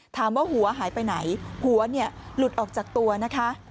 หัวหายไปไหนหัวเนี่ยหลุดออกจากตัวนะคะ